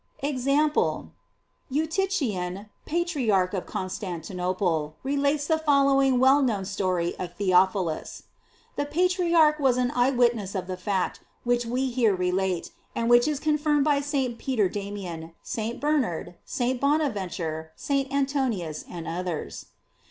§ EXAMPLE. Eutychian, Patriarch of Constantinople, re lates the following well known story of Theo philus. The Patriarch was an eye witness of the fact which we here relate, and which is con firmed by St. Peter Damian, St. Bernard, St. Bonaventure, St. Antoninus, andothers.